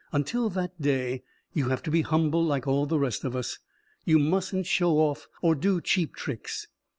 Until that day, you have to be humble like all the rest of us. You mustn't show off or do cheap tricks.